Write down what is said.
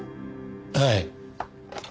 はい。